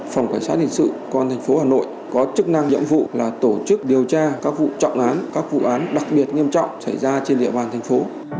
phòng cảnh sát hình sự công an tp hà nội có chức năng nhiệm vụ là tổ chức điều tra các vụ trọng án các vụ án đặc biệt nghiêm trọng xảy ra trên địa bàn thành phố